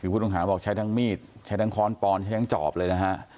คือผู้ต้องหาบอกใช้ทั้งมีดใช้ทั้งค้อนปอนใช้ทั้งจอบเลยนะฮะ